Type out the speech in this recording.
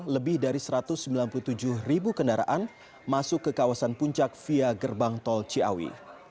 lebih dari satu ratus sembilan puluh tujuh ribu kendaraan masuk ke kawasan puncak via gerbang tol ciawi